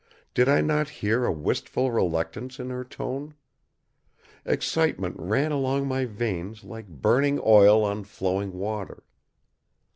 Did I not hear a wistful reluctance in her tone? Excitement ran along my veins like burning oil on flowing water.